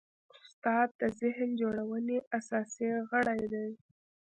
استاد د ذهن جوړونې اساسي غړی دی.